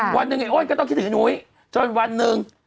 วันหนึ่งไอ้อ้นก็ต้องคิดถึงไอ้นุ้ยจนวันหนึ่ง